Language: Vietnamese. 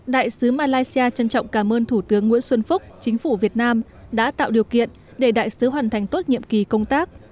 đại sứ malaysia trân trọng cảm ơn thủ tướng nguyễn xuân phúc chính phủ việt nam đã tạo điều kiện để đại sứ hoàn thành tốt nhiệm kỳ công tác